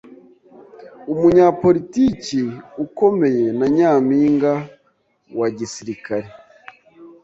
umunyapolitiki ukomeye na nyampinga wa gisirikare.